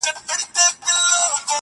شپږي څرنگه له سر څخه ټولېږي؛